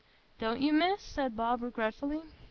"Don't you, Miss?" said Bob regretfully.